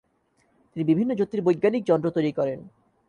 তিনি বিভিন্ন জ্যোতির্বৈজ্ঞানিক যন্ত্র তৈরি করেন।